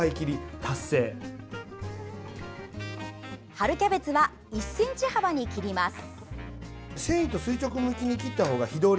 春キャベツは１ｃｍ幅に切ります。